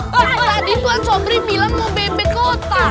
tadi tuan sobri bilang mau bebek kota